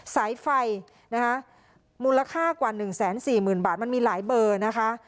สายไฟนะคะมูลค่ากว่าหนึ่งแสนสี่หมื่นบาทมันมีหลายเบอร์นะคะ